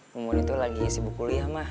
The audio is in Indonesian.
mumun itu lagi sibuk kuliah ma